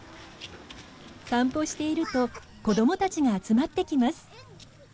散歩していると子どもたちが集まってきます。